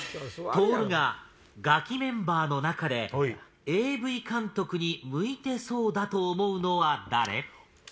とおるがガキメンバーの中でＡＶ監督に向いてそうだと思うのは誰？